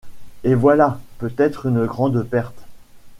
Et voilà peut-être une grande perte